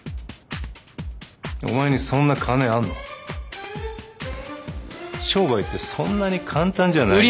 お前にそんな金あんの？商売ってそんなに簡単じゃない。